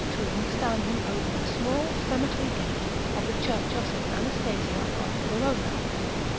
tomb standing over the small cemetery gate of the Church of St. Anastasia at Verona.